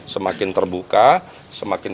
semakin terbuka semakin